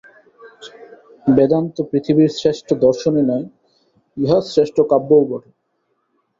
বেদান্ত পৃথিবীর শুধু শ্রেষ্ঠ দর্শনই নয়, ইহা শ্রেষ্ঠ কাব্যও বটে।